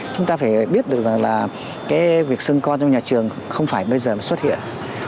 chúng ta phải biết được rằng là cái việc sưng con trong nhà trường không phải bây giờ mới xuất hiện